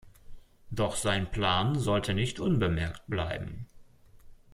Doch sein Plan sollte nicht unbemerkt bleiben.